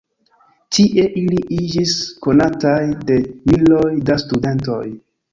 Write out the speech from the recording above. Tie ili iĝis konataj de miloj da studentoj.